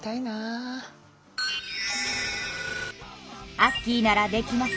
アッキーならできます。